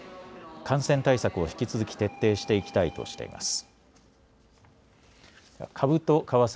感染対策を引き続き徹底していきたいとしています。